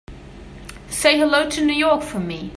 Say hello to New York for me.